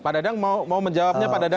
pak dadang mau menjawabnya pak dadang